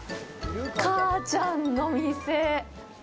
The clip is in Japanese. かあちゃんの店。